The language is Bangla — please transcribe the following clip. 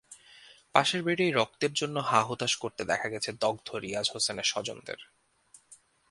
পাশের বেডেই রক্তের জন্য হাহুতাশ করতে দেখা গেছে দগ্ধ রিয়াজ হোসেনের স্বজনদের।